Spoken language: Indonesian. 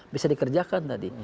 bisa dikerjakan tadi